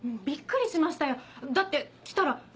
びっくりしましたよだって来たら。